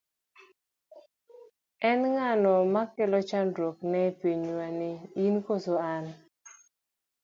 En ng'ano ma kelo chandruok ne pinywani in koso an?